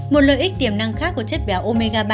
một lợi ích tiềm năng khác của chất béo omega ba